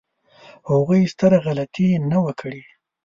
هغوی ستره غلطي نه وه کړې.